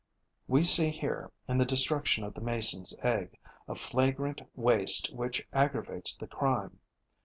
We see here, in the destruction of the Mason's egg, a flagrant waste which aggravates the crime.